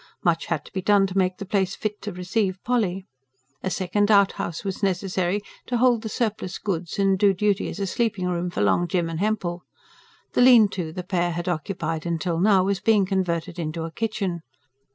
Much had to be done to make the place fit to receive Polly. A second outhouse was necessary, to hold the surplus goods and do duty as a sleeping room for Long Jim and Hempel: the lean to the pair had occupied till now was being converted into a kitchen.